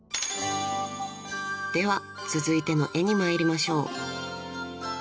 ［では続いての絵に参りましょう］